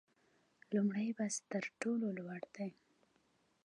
لومړی بست تر ټولو لوړ دی